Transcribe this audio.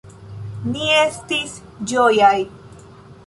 Ni estis ĝojaj.